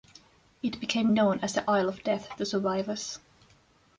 It became known as the "Isle of Death" to survivors.